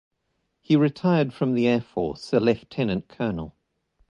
He retired from the Air Force, a lieutenant colonel.